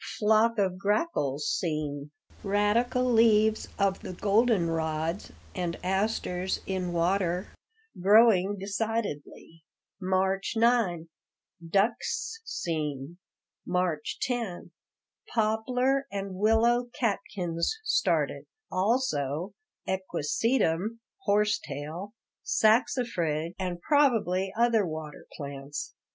Flock of grackles seen. Radical leaves of the golden rods and asters in water, growing decidedly. March 9 Ducks seen. March 10 Poplar and willow catkins started; also equisetum (horse tail), saxifrage, and probably other water plants.